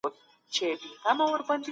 شادان